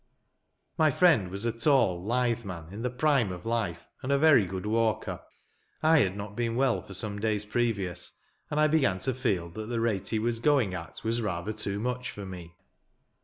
My friend was a tall, lithe man, in the prime of life, and a very good walker. I had not been well for some days previous, and I began to feel that the rate he was going at was rather too much for me.